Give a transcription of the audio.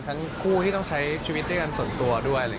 ทั้งคู่ที่ต้องใช้ชีวิตด้วยกันส่วนตัวด้วย